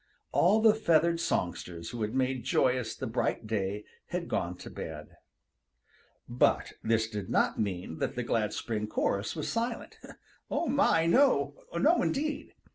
All the feathered songsters who had made joyous the bright day had gone to bed. But this did not mean that the glad spring chorus was silent. Oh, my, no! No indeed!